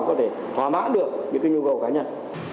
có thể thóa mãn được những cái nhu cầu cá nhân